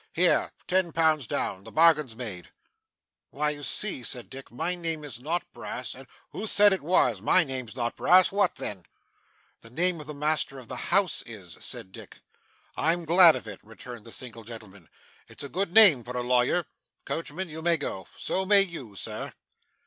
Here. Ten pounds down. The bargain's made.' 'Why you see,' said Dick, 'my name is not Brass, and ' 'Who said it was? My name's not Brass. What then?' 'The name of the master of the house is,' said Dick. 'I'm glad of it,' returned the single gentleman; 'it's a good name for a lawyer. Coachman, you may go. So may you, Sir.